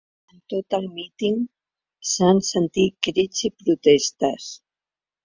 Durant tot el míting s’han sentit crits i protestes.